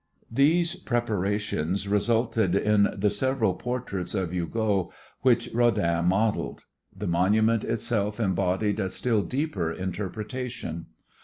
These preparations resulted in the several portraits of Hugo which Rodin modeled. The monument itself embodied a still deeper interpretation.